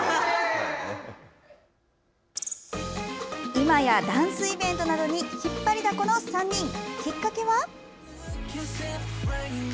いまやダンスイベントなどに引っ張りだこの３人。きっかけは。